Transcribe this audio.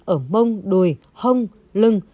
ở mông đùi hông lưng